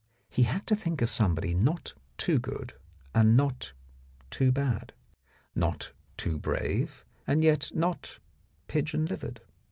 He had to think of somebody not too good and not too bad, not too brave and yet not pigeon livered.